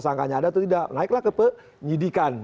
naiklah ke penyidikan